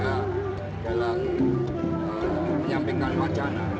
nah dalam menyampaikan macanan